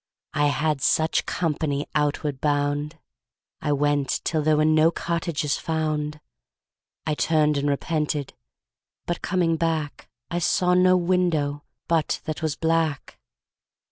I had such company outward bound. I went till there were no cottages found. I turned and repented, but coming back I saw no window but that was black.